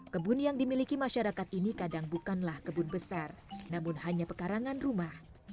kebun yang dimiliki masyarakat ini kadang bukanlah kebun besar namun hanya pekarangan rumah